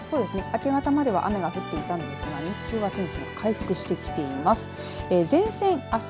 明け方までは雨が降っていたんですが日中は天気回復してきています。